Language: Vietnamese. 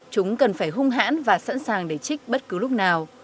chúng cần phải hung hãn và sẵn sàng để trích bất cứ lúc nào